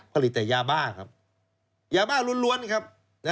ผลิตแต่ยาบ้าครับยาบ้าล้วนครับ